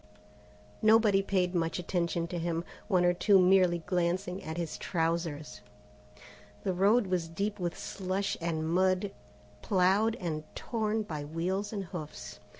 Nobody paid much attention to him, one or two merely glancing at his trousers. The road was deep with slush and mud ploughed and torn by wheels and hoofs.